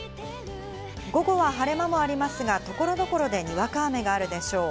午後は晴れ間もありますが、所々でにわか雨があるでしょう。